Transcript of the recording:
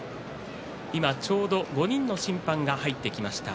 今ちょうど５人の審判が入ってきました。